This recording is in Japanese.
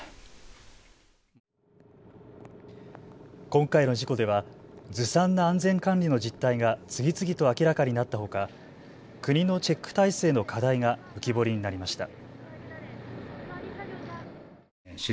今回の事故ではずさんな安全管理の実態が次々と明らかになったほか国のチェック体制の課題が浮き彫りになりました。